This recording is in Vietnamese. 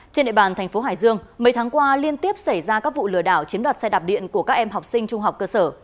trên địa bàn tp hcm mấy tháng qua liên tiếp xảy ra các vụ lừa đảo chiếm đoạt xe đạp điện của các em học sinh trung học cơ sở